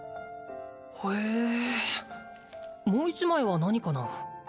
ほえもう一枚は何かな？